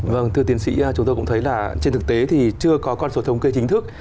vâng thưa tiến sĩ chúng tôi cũng thấy là trên thực tế thì chưa có con số thống kê chính thức